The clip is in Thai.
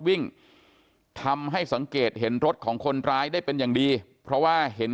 วิ่งทำให้สังเกตเห็นรถของคนร้ายได้เป็นอย่างดีเพราะว่าเห็น